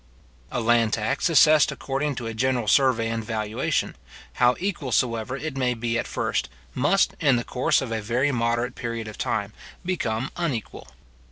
A land tax assessed according to a general survey and valuation, how equal soever it may be at first, must, in the course of a very moderate period of time, become unequal.